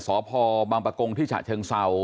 สพบังปะกงที่ฉะเชิงเศร้า